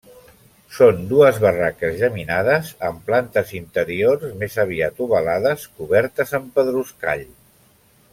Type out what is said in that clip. Són dues barraques geminades amb plantes interiors més aviat ovalades, cobertes amb pedruscall.